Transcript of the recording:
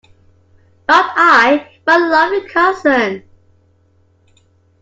Not I, my loving cousin!